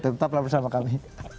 tetaplah bersama kami